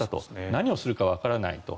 何をするかわからないと。